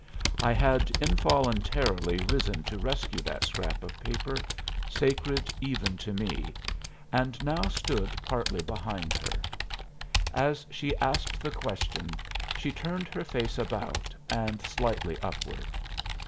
I had involuntarily risen to rescue that scrap of paper, sacred even to me, and now stood partly behind her. As she asked the question she turned her face about and slightly upward.